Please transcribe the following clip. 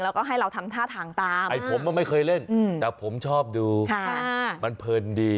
แล้วก็ให้เราทำท่าทางตามไอ้ผมมันไม่เคยเล่นแต่ผมชอบดูมันเพลินดี